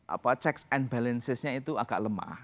apa checks and balancesnya itu agak lemah